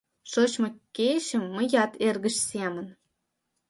Шочмо кечым мыят эргыч семын.